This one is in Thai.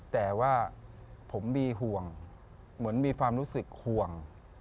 แต่ว่าผมมีห่วงเหมือนมีความรู้สึกห่วง